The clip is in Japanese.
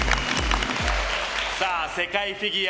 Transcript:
さあ、世界フィギュア